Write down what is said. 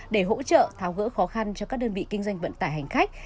để hỗ trợ tháo gỡ khó khăn cho các đơn vị kinh doanh vận tải hành khách